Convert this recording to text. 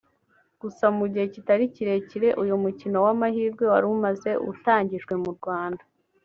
Gusa mu gihe kitari kirekire uyu mukino w’amahirwe wari umaze utangijwe mu Rwanda